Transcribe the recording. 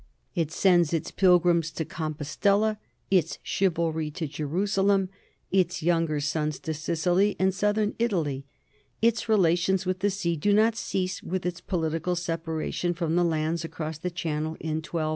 It sends its pilgrims to Com postela, its chivalry to Jerusalem, its younger sons to Sicily and southern Italy. Its relations with the sea do not cease with its political separation from the lands across the Channel in 1204.